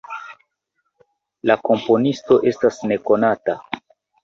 La komponisto estas nekonata.